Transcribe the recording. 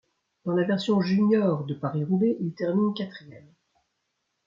Dans la version junior de Paris-Roubaix, il termine quatrième.